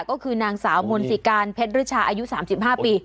ก็คือนางสาวมนศิการเพชรริชาอายุ๓๕ปี